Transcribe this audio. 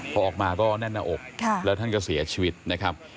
พอออกมาก็แน่นหน้าอกแล้วท่านก็เสียชีวิตนะครับ